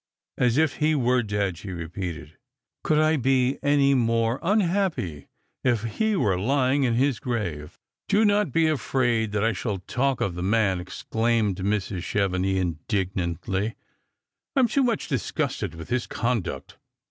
As if he were dead," she repeated. " Could I be any more unhappy if he were lying in his grave ?"" Do not be afraid that I shall talk of the man," exclaimed Mrs. Chevenix indignantly. " I am too much disgusted with his conduct.